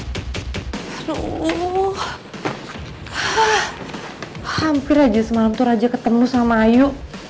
aduh hampir aja semalam tuh raja ketemu sama ayu